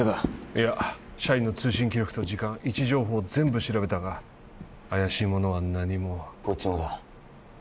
いや社員の通信記録と時間位置情報全部調べたが怪しいものは何もこっちもだ